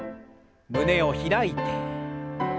胸を開いて。